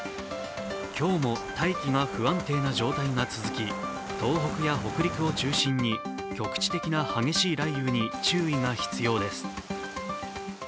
今日も、大気が不安定な状態が続き、東北や北陸を中心に、局地的な激しい雷雨に注意が必要です。